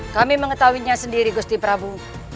kami mengetahuinya sendiri gusti prabu